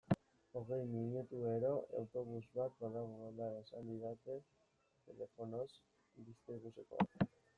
Hogei minutuero autobus bat badagoela esan didaten telefonoz Bizkaibusekoek.